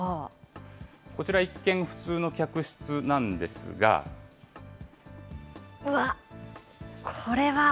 こちら、一見普通の客室なんですうわ、これは。